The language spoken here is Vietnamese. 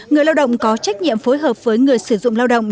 người lao động có trách nhiệm phối hợp với người sử dụng lao động